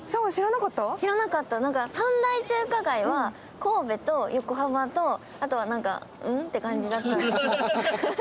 知らなかった、三大中華街は神戸と横浜と、あとは？って感じだった。